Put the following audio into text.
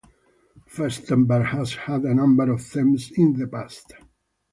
Festember has had a number of themes in the past.